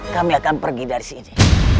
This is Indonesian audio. kami akan pergi dari sini